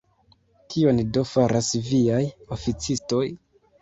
Kion do faras viaj oficistoj?